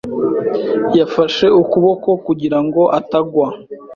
Yafashe ukuboko kugira ngo atagwa.